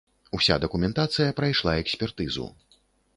Уся дакументацыя прайшла экспертызу.